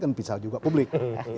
tapi bisa juga publik